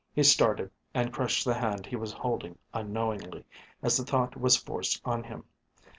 He started and crushed the hand he was holding unknowingly, as the thought was forced on him.